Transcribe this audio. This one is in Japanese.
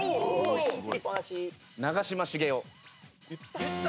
長嶋茂雄。